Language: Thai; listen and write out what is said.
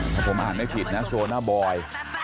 ถ้าผมอ่านไม่ผิดนะโชว์หน้าบอย